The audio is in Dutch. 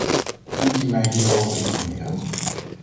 Kunt u mij hierover informeren?